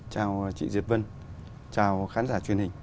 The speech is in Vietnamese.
chào chị diệp vân chào khán giả truyền hình